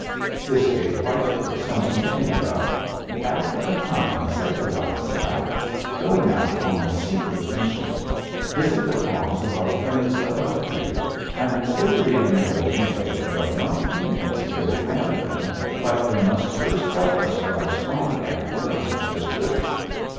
"This gave White Fur something to think about; and after a time he said to Loud Slap: 'Go, now, on a secret mission: visit the ponds of our friends above here, and say to the unmarried males that our young females here will marry them, but they must first help us drive Strong Dam from this river.'